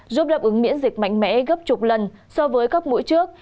giúp đáp ứng miễn dịch mạnh mẽ gấp chục lần so với các mũi trước